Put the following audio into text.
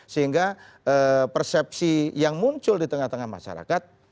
sehingga persepsi yang muncul di tengah tengah masyarakat